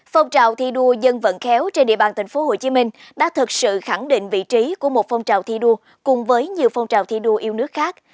phong trào thi đua dân vận khéo trên địa bàn tp hcm đã thực sự khẳng định vị trí của một phong trào thi đua cùng với nhiều phong trào thi đua yêu nước khác